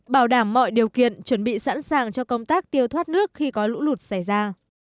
bảo đảm mọi điều kiện chuẩn bị sẵn sàng cho công tác tiêu thoát nước khi có lũ lụt xảy ra